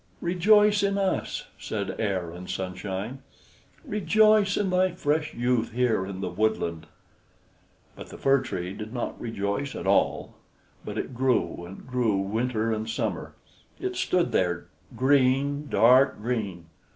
"Rejoice in us," said Air and Sunshine. "Rejoice in thy fresh youth here in the woodland." But the Fir Tree did not rejoice at all, but it grew and grew; winter and summer it stood there, green, dark green.